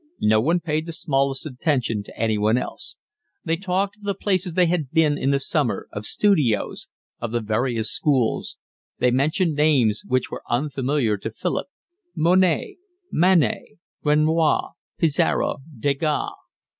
No one paid the smallest attention to anyone else. They talked of the places they had been to in the summer, of studios, of the various schools; they mentioned names which were unfamiliar to Philip, Monet, Manet, Renoir, Pissarro, Degas.